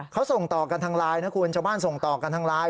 เขาส่งต่อกันทางไลน์นะคุณชาวบ้านส่งต่อกันทางไลน์